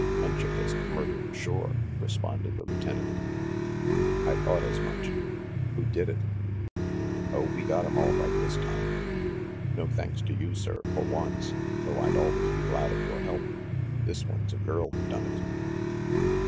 "Hunchakist murder, sure!" responded the lieu tenant. "I thought as much. Who did it?" "Oh, we got 'em all right this time. No thanks to you, sir, for once, though I'd always be glad of your help. This one's a girl who done it."